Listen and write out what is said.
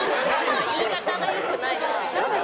言い方が良くないな。